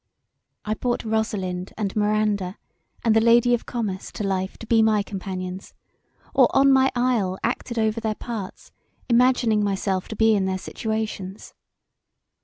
I brought Rosalind and Miranda and the lady of Comus to life to be my companions, or on my isle acted over their parts imagining myself to be in their situations.